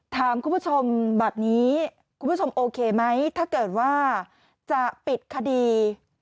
ถามคุณผู้ชมแบบนี้คุณผู้ชมโอเคไหมถ้าเกิดว่าจะปิดคดี